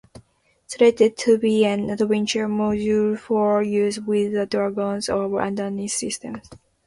Slated to be an adventure module for use with the Dragons of Underearth system.